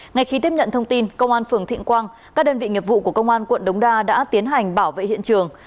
ngay khi tiếp nhận thông tin công an phường thịnh quang các đơn vị nghiệp vụ của công an quận đống đa đã tiến hành bảo vệ hiện trường